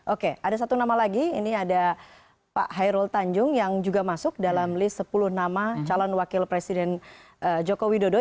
oke ada satu nama lagi ini ada pak hairul tanjung yang juga masuk dalam list sepuluh nama calon wakil presiden joko widodo